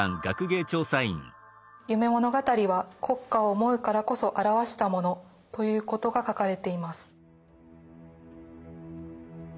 「夢物語」は「国家を思うからこそ著したもの」ということが書かれています。